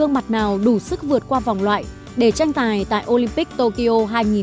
không có bất kỳ gương mặt nào đủ sức vượt qua vòng loại để tranh tài tại olympic tokyo hai nghìn hai mươi